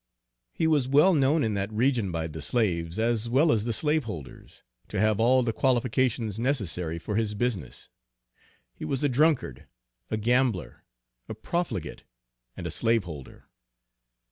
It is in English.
He was well known in that region by the slaves as well as the slaveholders, to have all the qualifications necessary for his business. He was a drunkard, a gambler, a profligate, and a slaveholder.